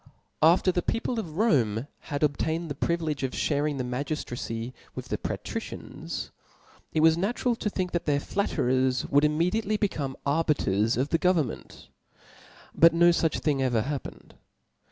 After the pecfple of Romfe had obtained the pri ' ^ilege of fluuing die magiftracy wich the Patricians, \i 174 THE8PIRIT Book it was natural to think that their flatterers wofuld^ Chap, iV ifi^n^ediately become arbiters of the governmenc But no fuch thing ever happened.